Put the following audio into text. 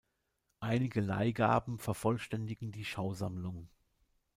Einige Leihgaben vervollständigen die Schausammlung.